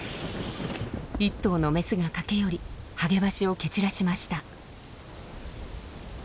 １頭のメスが駆け寄りハゲワシを蹴散らしました。